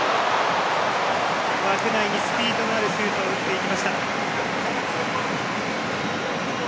枠内にスピードのあるシュートを打ちました。